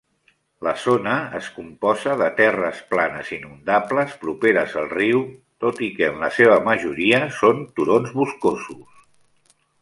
La zona es composa de terres planes inundables properes al riu, tot i que en la seva majoria són turons boscosos.